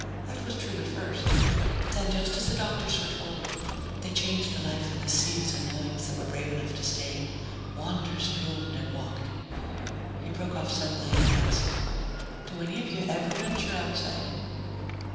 That was true at first. But then, just as the doctors foretold, they changed the life in the seeds and loins that were brave enough to stay. Wonders bloomed and walked." He broke off suddenly and asked, "Do any of you ever venture outside?"